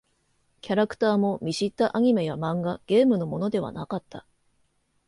キャラクターも見知ったアニメや漫画、ゲームのものではなかった。